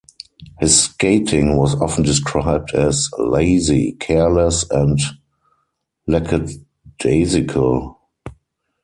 His skating was often described as "lazy", "careless" and "lackadaisical".